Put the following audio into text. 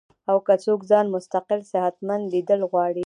او کۀ څوک ځان مستقل صحتمند ليدل غواړي